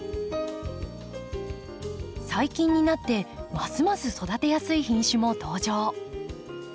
最近になってますます育てやすい品種も登場。